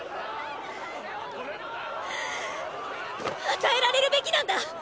与えられるべきなんだッ！